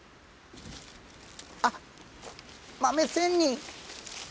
あっ豆仙人。